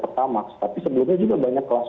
pertamax tapi sebelumnya juga banyak kelas